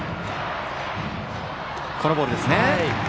このボールですね。